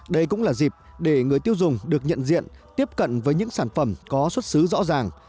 đây cũng là dịp để người tiêu dùng được nhận diện tiếp cận với những sản phẩm có xuất xứ rõ ràng